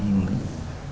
về hình bằng